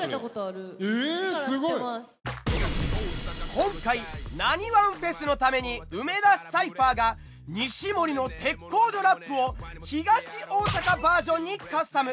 今回「なにわんＦＥＳ」のために梅田サイファーが西森の「鉄工所ラップ」を東大阪バージョンにカスタム。